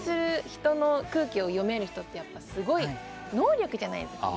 人の空気を読める人って能力じゃないですか